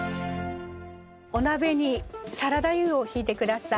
お鍋にサラダ油を引いてください。